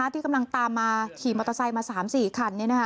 ที่กำลังตามมาขี่มอเตอร์ไซค์มา๓๔คัน